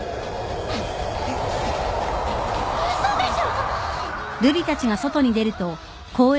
嘘でしょ！？